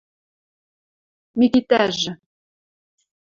Микитӓжы: